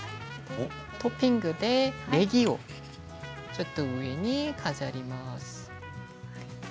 トッピングでねぎを上に飾ります。